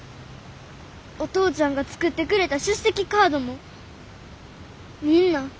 お父ちゃんが作ってくれた出席カードもみんな。